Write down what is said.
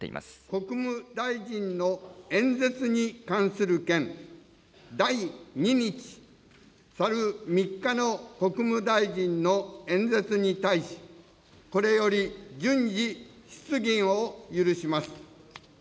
国務大臣の演説に関する件、第２日、去る３日の国務大臣の演説に対し、これより順次、質疑を許します。